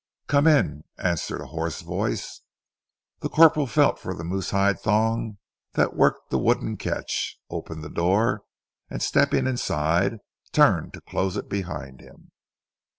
"Come in," answered a hoarse voice. The corporal felt for the moose hide thong that worked the wooden catch, opened the door, and stepping inside turned to close it behind him.